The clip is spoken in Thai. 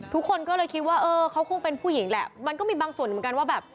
ทุกคนก็เลยคิดว่าเออเขาคงเป็นผู้หญิงแหละมันก็มีบางส่วนเหมือนกันว่าแบบ